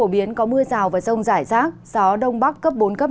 biển có mưa rào và rông dài rác gió đông bắc cấp bốn năm